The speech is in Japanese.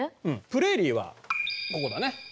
プレーリーはここだね。